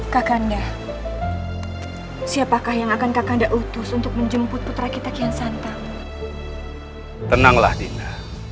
kakanda siapakah yang akan kakanda utus untuk menjemput putra kita kian santa tenanglah dinda